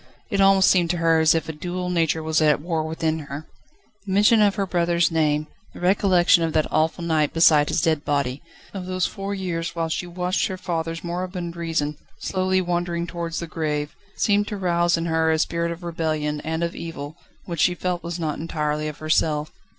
It almost seemed to her as if a dual nature was at war within her. The mention of her brother's name, the recollection of that awful night beside his dead body, of those four years whilst she watched her father's moribund reason slowly wandering towards the grave, seemed to rouse in her a spirit of rebellion, and of evil, which she felt was not entirely of herself.